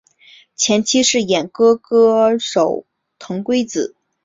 前妻是演歌歌手藤圭子。